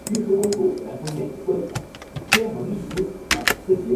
没有设置转辙器的单线路轨车站。